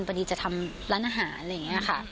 พอดีจะทำร้านอาหารอะไรอย่างนี้ค่ะ